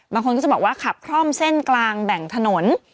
บางคนก็จะบอกว่าขับคล่อมเส้นกลางแบ่งถนน